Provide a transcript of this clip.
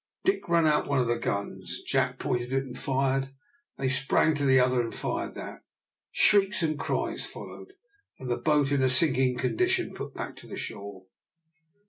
Dick ran out one of the guns. Jack pointed it and fired. Then they sprang to the other, and fired that. Shrieks and cries followed, and the boat in a sinking condition put back to the shore.